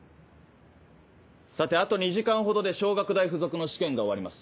さてあと２時間ほどで小学大附属の試験が終わります。